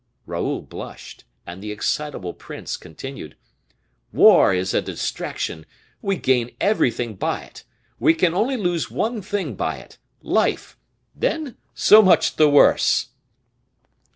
Raoul blushed, and the excitable prince continued: "War is a distraction: we gain everything by it; we can only lose one thing by it life then so much the worse!"